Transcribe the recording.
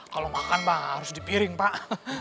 kalau makan pak harus dipiring pak